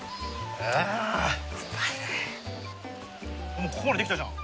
もうここまでできたじゃん。